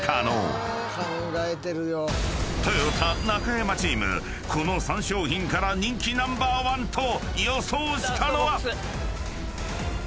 ［とよた・中山チームこの３商品から人気ナンバーワンと予想したのは］